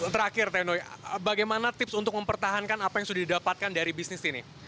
terakhir tenoy bagaimana tips untuk mempertahankan apa yang sudah didapatkan dari bisnis ini